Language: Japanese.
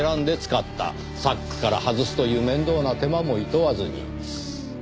サックから外すという面倒な手間もいとわずに。